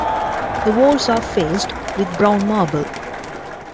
The walls are faced with brown marble.